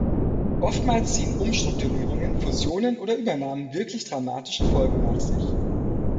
Oftmals ziehen Umstrukturierungen, Fusionen oder Übernahmen wirklich dramatische Folgen nach sich.